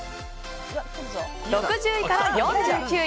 ６０位から４９位。